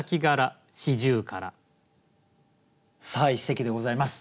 さあ一席でございます。